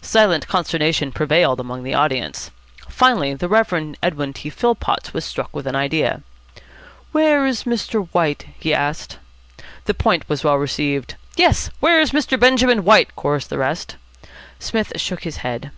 Silent consternation prevailed among the audience. Finally the Rev. Edwin T. Philpotts was struck with an idea. "Where is Mr. White?" he asked. The point was well received. "Yes, where's Mr. Benjamin White?" chorused the rest. Psmith shook his head.